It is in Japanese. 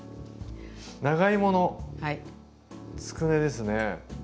長芋のつくねですね。